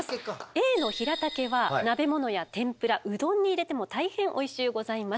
Ａのヒラタケは鍋物や天ぷらうどんに入れても大変おいしゅうございます。